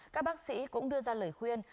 các bác sĩ cũng đưa ra lời khuyên